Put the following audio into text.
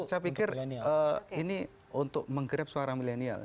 saya pikir ini untuk menggrab suara milenial